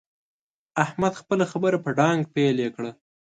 احمد خپله خبره په ډانګ پېيلې کړه.